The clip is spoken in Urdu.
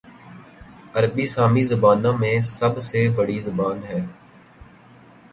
عربی سامی زبانوں میں سب سے بڑی زبان ہے